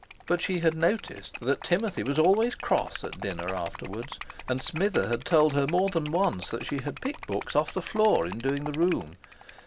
But she had noticed that Timothy was always cross at dinner afterwards. And Smither had told her more than once that she had picked books off the floor in doing the room.